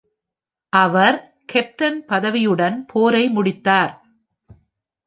அவர் captain பதவியுடன் போரை முடித்தார்.